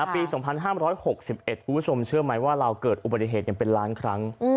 ปี๒๕๖๑คุณผู้ชมเชื่อไหมว่าเราเกิดอุบัติเหตุเป็นล้านครั้ง